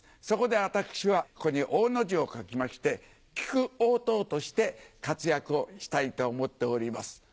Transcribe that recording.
そこで私はここに王の字を書きまして木久オウトウとして活躍をしたいと思っております。